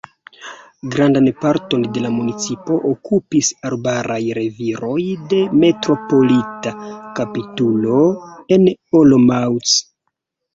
Grandan parton de la municipo okupis arbaraj reviroj de Metropolita kapitulo en Olomouc.